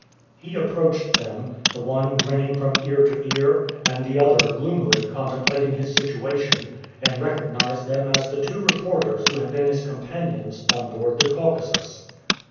He approached them, the one grinning from ear to ear, and the other gloomily contemplating his situation, and recognized them as the two reporters who had been his companions on board the Caucasus.